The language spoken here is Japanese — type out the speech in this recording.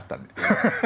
ハハハッ！